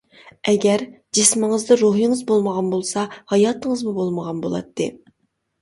ئەگەر، جىسمىڭىزدا روھىڭىز بولمىغان بولسا، ھاياتىڭىزمۇ بولمىغان بولاتتى.